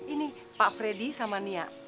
ini pak freddy sama nia